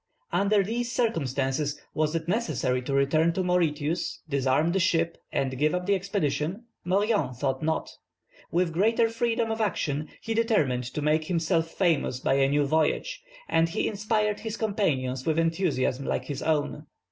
Under these circumstances, was it necessary to return to Mauritius, disarm the ships, and give up the expedition? Marion thought not. With greater freedom of action, he determined to make himself famous by a new voyage, and he inspired his companions with enthusiasm like his own.